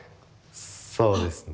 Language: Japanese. そうですね。